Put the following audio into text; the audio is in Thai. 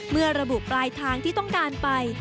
เมื่อระบุปลายทางที่ต้องการไป